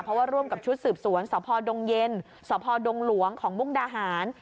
เพราะว่าร่วมกับชุดสืบสวนสพดงเย็นสพดงหลวงของมุกดาหาร